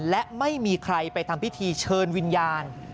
และไม่มีใครไปทำพิธีเชิญวิญญาณ